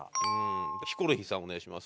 ヒコロヒーさんお願いします。